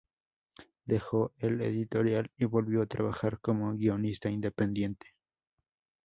Dejó el editorial y volvió a trabajar como guionista independiente.